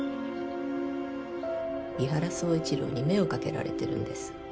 伊原総一郎に目をかけられてるんです